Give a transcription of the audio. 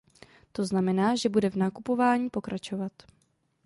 To znamená, že bude v nakupování pokračovat.